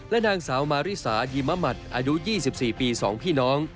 นางสาวมาริสายิมหมัดอายุ๒๔ปี๒พี่น้อง